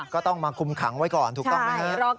ก็ต้องมาคุมขังไว้ก่อนไม่ต้องให้เลิก